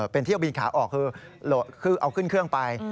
เป็นเที่ยวบินขาออกคือเอาขึ้นเครื่องไป